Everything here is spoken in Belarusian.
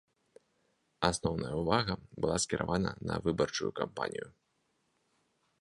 Асноўная ўвага была скіравана на выбарчую кампанію.